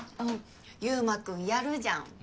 優磨君やるじゃん。